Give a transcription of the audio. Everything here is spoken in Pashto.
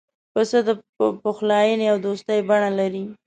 پسه د پخلاینې او دوستی بڼه لري.